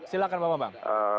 silahkan pak bambang